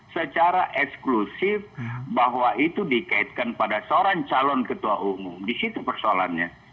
secara eksklusif bahwa itu dikaitkan pada seorang calon ketua umum disitu persoalannya